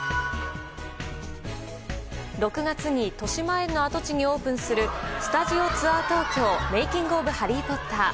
６月にとしまえんの跡地にオープンするスタジオツアー東京メイキング・オブ・ハリー・ポッター。